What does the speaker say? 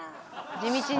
地道に。